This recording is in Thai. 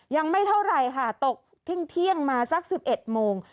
ยังไม่เท่าไหร่ค่ะตกเที่ยงมาสัก๑๑โมง